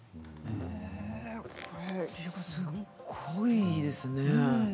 すごいですね。